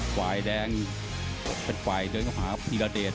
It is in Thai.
กวายแดงเป็นกวายเดือนเผาหาทีระเดชน์